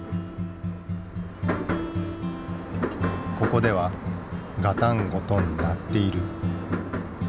ここではガタンゴトン鳴っている。